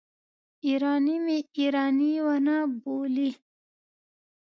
ایراني مې ایراني ونه بولي.